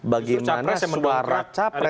bagaimana suara capres